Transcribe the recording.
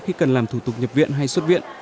khi cần làm thủ tục nhập viện hay xuất viện